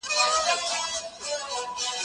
هغه څوک چي سیر کوي روغ وي؟